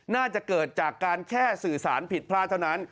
น่าจะเกิดจากการแค่สื่อสารผิดพลาดเท่านั้น